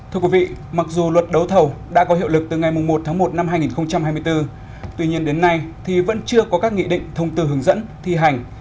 thưa quý vị mặc dù luật đấu thầu đã có hiệu lực từ ngày một tháng một năm hai nghìn hai mươi bốn tuy nhiên đến nay thì vẫn chưa có các nghị định thông tư hướng dẫn thi hành